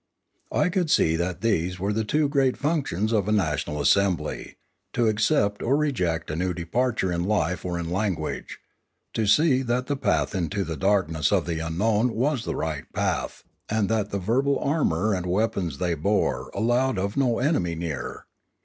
I could see that these were the two great functions of a national assembly, to ac cept or reject a new departure in life or in language, to see that the path into the darkness of the unknown was the right path, and that the verbal armour and weapons they bore allowed of no enemy near.